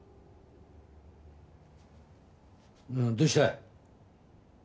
どうした？